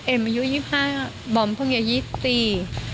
เอมอายุ๒๕บอมเพลิงให้ยี่สี่